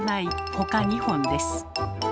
ほか２本です。